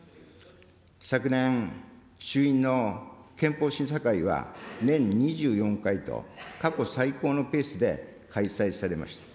昨年、衆院の憲法審査会は、年２４回と、過去最高のペースで開催されました。